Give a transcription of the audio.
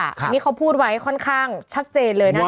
อันนี้เขาพูดไว้ค่อนข้างชัดเจนเลยนะคะ